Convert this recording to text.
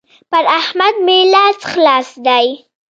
پر احمد مې لاس خلاص دی.